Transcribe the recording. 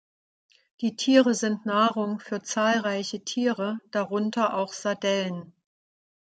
Die Tiere sind Nahrung für zahlreiche Tiere, darunter auch Sardellen.